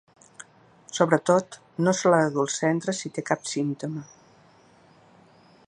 Sobretot, no se l’ha de dur al centre si té cap símptoma.